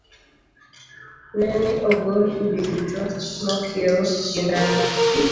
Ne ni ogol udi duto mokiewo gi ndara.